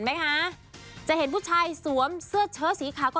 มันเห็นไหมคะ